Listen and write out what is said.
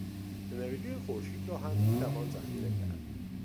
انرژی خورشید را هم میتوان ذخیره کرد.